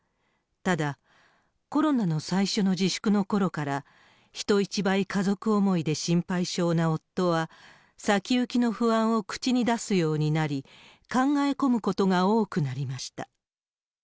ただ、コロナの最初の自粛のころから、人一倍家族思いで心配性な夫は、先行きの不安を口に出すようになり、考え込むことが多くなりました。